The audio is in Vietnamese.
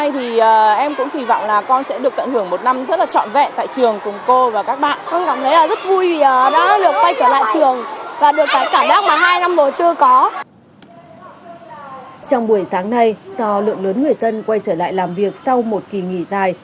trong buổi sáng nay do lượng lớn người dân quay trở lại làm việc sau một kỳ nghỉ dài